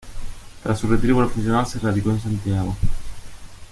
Tras su retiro profesional se radicó en Santiago.